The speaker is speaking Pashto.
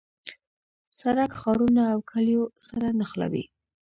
سړک ښارونه او کلیو سره نښلوي.